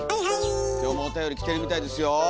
今日もおたより来てるみたいですよ。